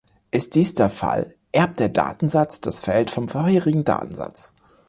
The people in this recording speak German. Ist dies der Fall, erbt der Datensatz das Feld vom vorherigen Datensatz.